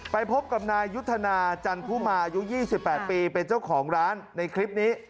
ไปพบกับนายยุทธนาจันทุมาอายุ๒๘ปีเป็นเจ้าของร้านในคลิปนี้